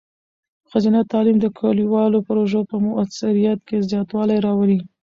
ښځینه تعلیم د کلیوالو پروژو په مؤثریت کې زیاتوالی راولي.